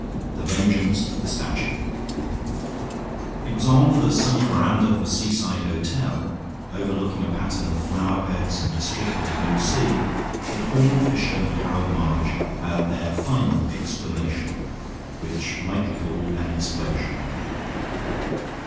THE VENGEANCE OF THE STATUE It was on the sunny veranda of a seaside hotel, overlooking a pattern of flower beds and a strip of blue sea, that Horne Fisher and Harold March had their final explanation, which might be called an explosion.